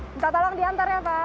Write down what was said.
minta tolong diantar ya pak